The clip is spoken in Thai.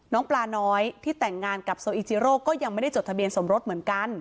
ปลาน้อยที่แต่งงานกับโซอิจิโร่ก็ยังไม่ได้จดทะเบียนสมรสเหมือนกัน